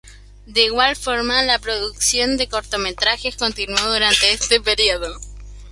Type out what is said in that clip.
De igual forma, la producción de cortometrajes continuó durante este periodo.